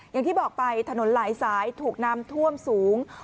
อย่างที่บอกไปถนนหลายสายถูกน้ำท่วมสูง